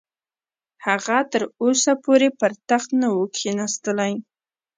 هغه تر اوسه پورې پر تخت نه وو کښېنستلی.